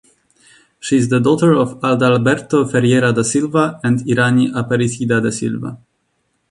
She is the daughter of Adalberto Ferreira da Silva and Irani Aparecida da Silva.